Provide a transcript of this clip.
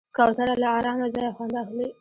کوتره له آرامه ځایه خوند اخلي.